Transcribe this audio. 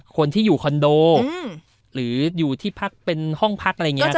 คนที่อยู่คอนโดหรืออยู่ที่พักเป็นห้องพักอะไรอย่างนี้